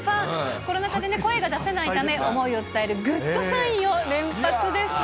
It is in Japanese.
コロナ禍で声が出せないため、思いを伝えるグッドサインを連発です。